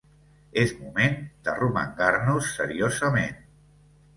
És moment d’arromangar-nos seriosament